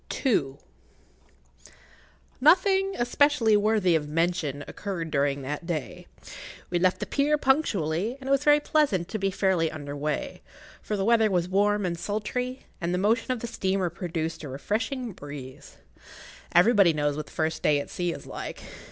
[Pg 16] II. Nothing especially worthy of mention occurred during that day. We left the pier punctually, and it was very pleasant to be fairly under way, for the weather was warm and sultry, and the motion of the steamer produced a refreshing breeze. Everybody knows what the first day at sea is like.